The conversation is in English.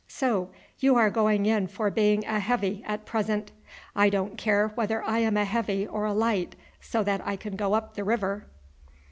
"So you are going in for being a heavy at present." "I don't care whether I am a heavy or a light, so that I can go up the river."